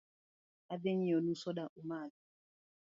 Adhi nyieo nu soda umadhi